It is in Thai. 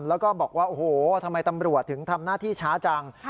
แล้วก็บอกว่าโอ้โหทำไมตำรวจถึงทำหน้าที่ช้าจัง